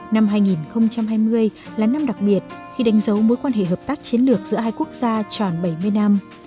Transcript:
năm hai nghìn hai mươi là năm đặc biệt khi đánh dấu mối quan hệ hợp tác chiến lược giữa hai quốc gia tròn bảy mươi năm